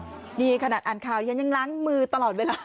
นี่ขนาดอ่านข่าวฉันยังล้างมือตลอดเวลา